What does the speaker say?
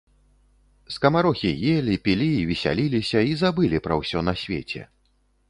Скамарохі елі, пілі і весяліліся і забылі пра ўсё на свеце.